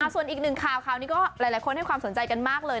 ส่วนอีกหนึ่งคราวนี่และความสนใจกันมากเลย